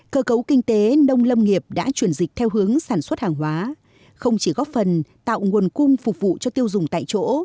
cơ cấu kinh tế nông lâm nghiệp đã chuyển dịch theo hướng sản xuất hàng hóa không chỉ góp phần tạo nguồn cung phục vụ cho tiêu dùng tại chỗ